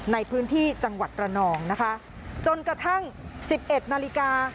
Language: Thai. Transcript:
ในพื้นที่จังหวัดระนองนะคะจนกระทั่งสิบเอ็ดนาฬิกา